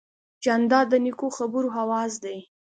جانداد د نیکو خبرو آواز دی.